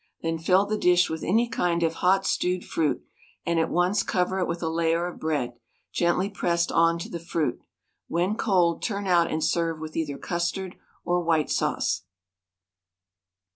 Then fill the dish with any kind of hot stewed fruit, and at once cover it with a layer of bread, gently pressed on to the fruit. When cold, turn out, and serve with either custard or white sauce.